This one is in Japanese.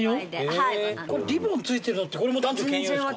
リボン着いてるのってこれも男女兼用ですか？